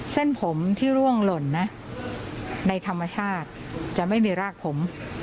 เส้นผมที่ร่วงหล่นนะในธรรมชาติจะไม่มีรากผม